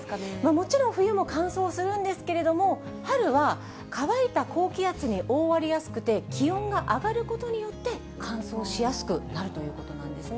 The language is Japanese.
もちろん冬も乾燥するんですけれども、春は乾いた高気圧に覆われやすくて、気温が上がることによって乾燥しやすくなるということなんですね。